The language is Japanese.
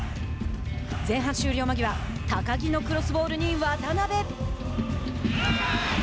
前半終了間際高木のクロスボールに渡邉。